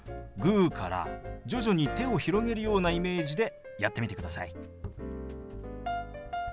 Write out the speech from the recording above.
グーから徐々に手を広げるようなイメージでやってみてください。